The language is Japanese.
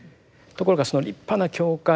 ところが立派な教会